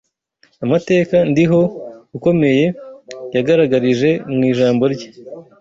Amateka “NDIHO” ukomeye yagaragarije mu Ijambo rye,